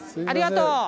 ありがとう。